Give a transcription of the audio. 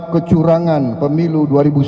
kecurangan pemilu dua ribu sembilan belas